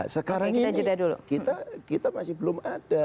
sekarang ini kita masih belum ada